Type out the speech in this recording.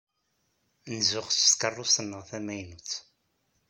Nzuxx s tkeṛṛust-nneɣ tamaynut.